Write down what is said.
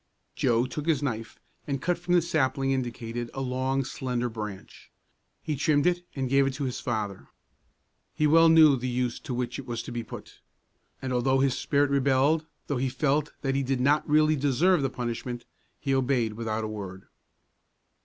Joe took his knife and cut from the sapling indicated a long, slender branch. He trimmed it and gave it to his father. He well knew the use to which it was to be put; and although his spirit rebelled, though he felt that he did not really deserve the punishment, he obeyed without a word.